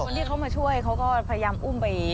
คนที่เขามาช่วยเขาก็พยายามอุ้มไป